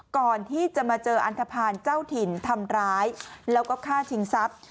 ก่อนที่จะมาเจออันทภาณเจ้าถิ่นทำร้ายแล้วก็ฆ่าชิงทรัพย์